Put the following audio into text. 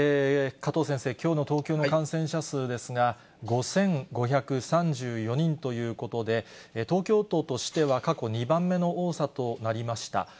加藤先生、きょうの東京の感染者数ですが、５５３４人ということで、東京都としては過去２番目の多さとなりました。